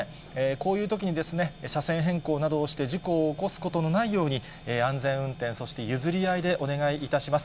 こういうときに車線変更などをして、事故を起こすことのないように、安全運転、そして譲り合いで、お願いいたします。